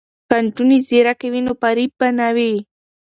که نجونې ځیرکې وي نو فریب به نه وي.